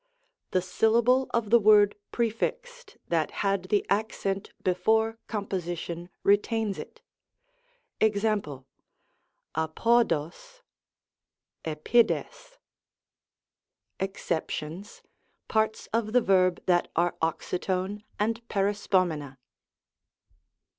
The syllable of the word prefixed, that had the accent before composition, retains it. Ex.^ dTvodos^ Exceptions, Parts of the verb that are oxytone and perispomena.